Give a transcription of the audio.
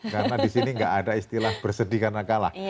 karena di sini gak ada istilah bersedih karena kalah